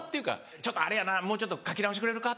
「ちょっとあれやなもうちょっと書き直してくれるか？」。